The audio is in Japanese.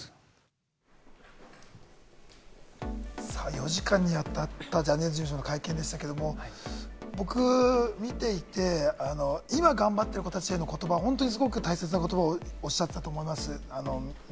４時間にわたったジャニーズ事務所の会見でしたけれども、僕、見ていて今、頑張ってる子たちへの言葉、大切な言葉をおっしゃっていたと思います。